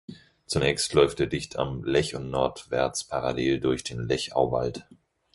Zunächst läuft er dicht am Lech und nordwärts parallel durch den "Lech-Auwald".